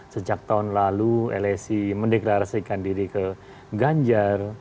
sejak tahun lalu lsi mendeklarasikan diri ke ganjar